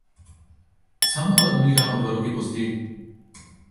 Sám ale umírá o dva roky později.